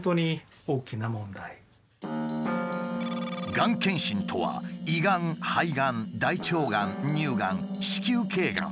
がん検診とは胃がん肺がん大腸がん乳がん子宮けいがん